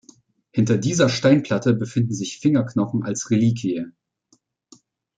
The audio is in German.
Hinter dieser Steinplatte befinden sich Fingerknochen als Reliquie.